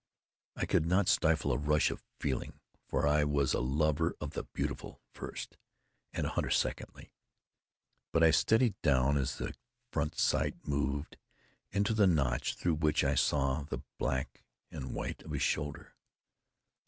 I could not stifle a rush of feeling, for I was a lover of the beautiful first, and a hunter secondly; but I steadied down as the front sight moved into the notch through which I saw the black and white of his shoulder.